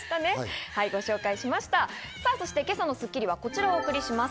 そして今朝の『スッキリ』はこちらをお送りします。